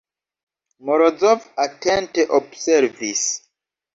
Morozov atente observis.